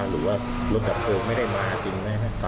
หรือว่ารถดับเพลิงไม่ได้มาจริงนะครับ